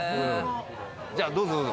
じゃあどうぞどうぞ！